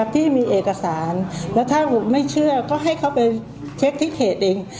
ที่มีเอกสารแล้วถ้าไม่เชื่อก็ให้เขาไปเช็คที่เขตเอง